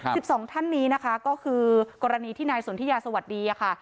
สองท่านนี้นะคะก็คือกรณีที่นายสนทิยาสวัสดีค่ะ